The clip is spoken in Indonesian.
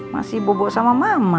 masih bobok sama mama